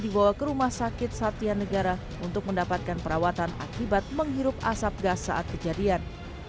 dibawa ke rumah sakit satya negara untuk mendapatkan perawatan akibat menghirup asap gas saat kejadian